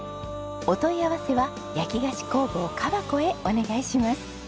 お問い合わせは焼き菓子工房ｋａｂａｃｏへお願いします。